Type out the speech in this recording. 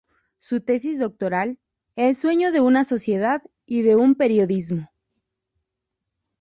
Su tesis doctoral "El sueño de una sociedad y de un periodismo.